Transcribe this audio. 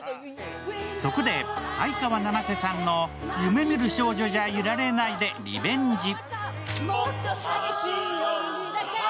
そこで相川七瀬さんの「夢見る少女じゃいられない」でリベンジ。